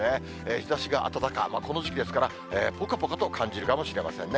日ざしが暖か、この時期ですからぽかぽかと感じるかもしれませんね。